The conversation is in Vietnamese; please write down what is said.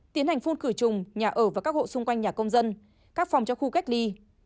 tiến hành phun khử trùng nhà ở và các hộ xung quanh nhà công dân các phòng cho khu cách ly